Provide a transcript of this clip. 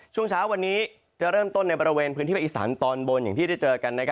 ช่วงเช้าวันนี้จะเริ่มต้นในบริเวณพื้นที่ภาคอีสานตอนบนอย่างที่ได้เจอกัน